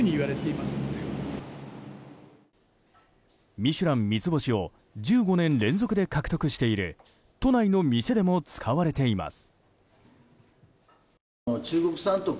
「ミシュラン」三つ星を１５年連続で獲得している都内の店でも使われています。